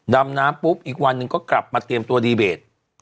ดำน้ำปุ๊บอีกวันหนึ่งก็กลับมาเตรียมตัวดีเบต